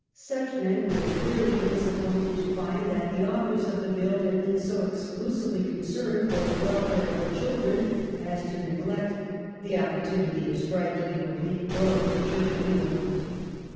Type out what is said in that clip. Such men were bitterly disappointed to find that the authoi s of the Bill had been so exclusively concenied for the welfare of the children, as to neglect the opportunity of striking an oblique blow at the Church of England.